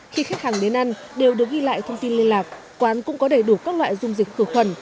khi khách hàng đến ăn đều được ghi lại thông tin liên lạc quán cũng có đầy đủ các loại dung dịch khử khuẩn